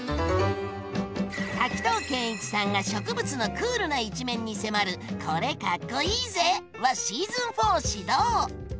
滝藤賢一さんが植物のクールな一面に迫る「これ、かっこイイぜ！」はシーズン４始動！